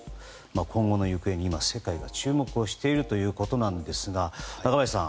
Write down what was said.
今後の行方に今世界が注目しているということなんですが中林さん